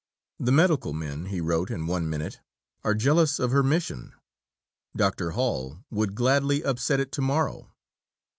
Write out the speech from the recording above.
The medical men, he wrote in one minute, are jealous of her mission. "Dr. Hall would gladly upset it to morrow."